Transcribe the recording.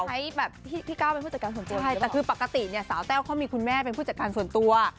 ให้แบบที่พี่ก้าวเป็นผู้จัดการส่วนตัวใช่แต่คือปกติเนี่ยสาวแต้วเขามีคุณแม่เป็นผู้จัดการส่วนตัว